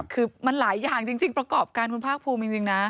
คือมันหลายอย่างจริงประกอบการคุณภาคภูมิจริงนะ